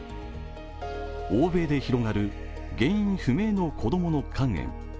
欧米で広がる原因不明の子供の肝炎。